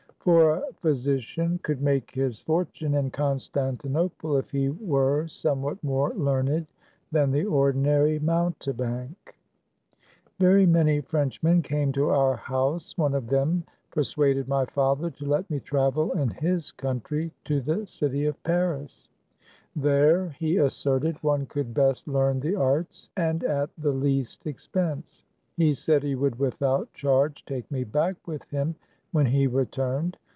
For a physician could make his fortune in Constantinople if he were somewhat more learned than the ordinary mountebank. Very many Frenchmen came to our house. One of them persuaded my father to let me travel in his country to the city of Paris ; there, he asserted, one could best learn the arts, and at the least expense. He said he would without charge, take me back with him when he returned.